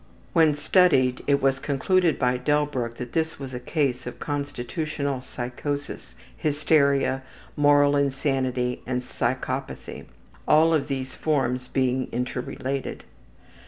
When studied, it was concluded by Delbruck that this was a case of constitutional psychosis, hysteria, moral insanity, and psychopathy all of these forms being interrelated.